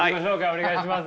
お願いします。